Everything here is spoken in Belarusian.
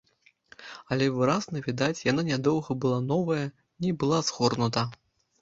Але выразна відаць, яна нядаўна была новая, не была згорнута.